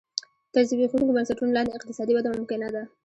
تر زبېښونکو بنسټونو لاندې اقتصادي وده ممکنه ده